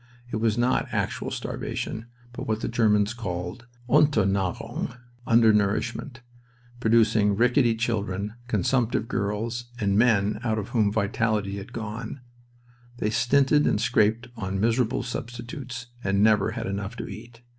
It was not actual starvation, but what the Germans call unternahrung (under nourishment), producing rickety children, consumptive girls, and men out of whom vitality had gone They stinted and scraped on miserable substitutes, and never had enough to eat.